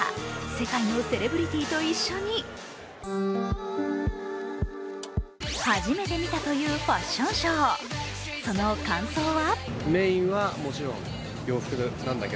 世界のセレブリティーと一緒に初めて見たというファッションショー、その感想は？